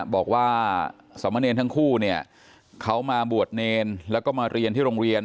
บอกว่าสมเนรทั้งคู่เนี่ยเขามาบวชเนรแล้วก็มาเรียนที่โรงเรียน